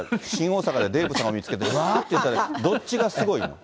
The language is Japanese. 大阪でデーブさんを見つけて、うわーっていったとき、どっちがすごいの？